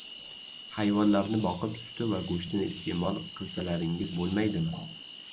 Hayvonlarni boqib, suti va go‘shtini iste’mol qilsalaringiz bo‘lmaydimi?